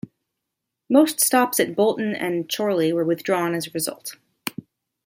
Most stops at Bolton and Chorley were withdrawn as a result.